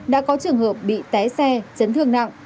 đã có trường hợp bị té xe chấn thương nặng